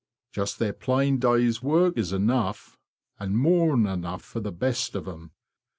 Just their plain day's work is enough, and more'n enough, for the best of them.